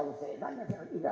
ini ada beneran ya